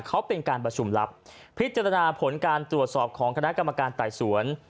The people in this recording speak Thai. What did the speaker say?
เขาเป็นการประชุมลับพิจารณาผลการตรวจสอบของคณะกรรมการไต่สวน